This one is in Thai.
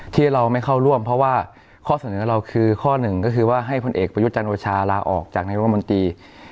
ที่เราไม่เข้าร่วมเพราะว่าข้อเสนอเราคือข้อหนึ่งก็คือว่าให้พลเอกประยุทธ์จันทร์โอชาลาออกจากนายกรมนตรี